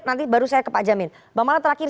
nanti baru saya ke pak jamin bang mala terakhir